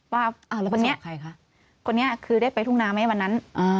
ว่าคนนี้คือได้ไปทุ่งน้ำไหมวันนั้น